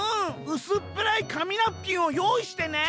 うすっぺらいかみナプキンをよういしてね』